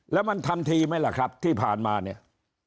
แล้วมันทันทีไหมล่ะครับที่ผ่านมาเนี่ย